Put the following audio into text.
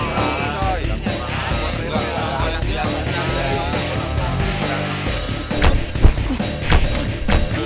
kalian pisahkan mereka